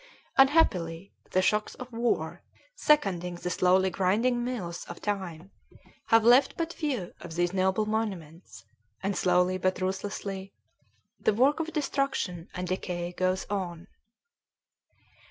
Unhappily, the shocks of war, seconding the slowly grinding mills of time, have left but few of these noble monuments; and slowly, but ruthlessly, the work of destruction and decay goes on.